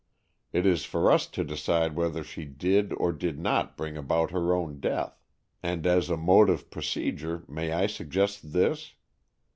It is for us to decide whether she did or did not bring about her own death, and as a mode of procedure may I suggest this?